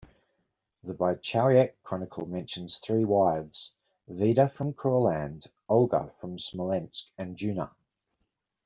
The Bychowiec Chronicle mentions three wives: Vida from Courland, Olga from Smolensk, and Jewna.